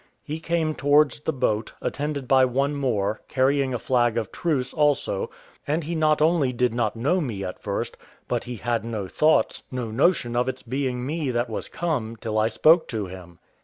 He came towards the boat, attended by one more, carrying a flag of truce also; and he not only did not know me at first, but he had no thoughts, no notion of its being me that was come, till I spoke to him.